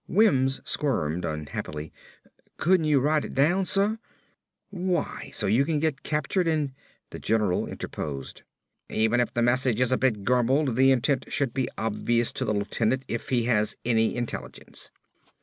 Wims squirmed unhappily. "Couldn't you write it down, suh?" "Why? So you can get captured and " The general interposed. "Even if the message is a bit garbled the intent should be obvious to the lieutenant if he has any intelligence."